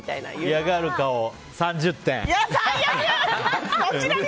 嫌がる顔３０点。